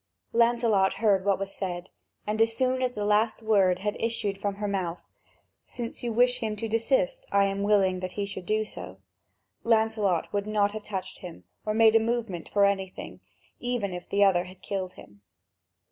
Lancelot heard what was said, and as soon as the last word had issued from her mouth, "since you wish him to desist, I am willing that he should do so," Lancelot would not have touched him or made a movement for anything, even if the other had killed him.